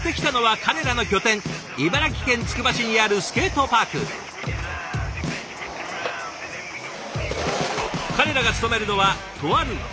彼らが勤めるのはとある建設会社。